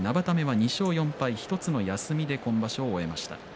生田目は、２勝３敗１つの休みで今場所を終えました。